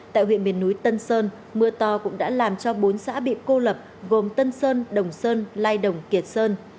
tại huyện miền núi tân sơn mưa to cũng đã làm cho bốn xã bị cô lập gồm tân sơn đồng sơn lai đồng kiệt sơn